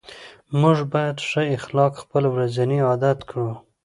موږ باید ښه اخلاق خپل ورځني عادت کړو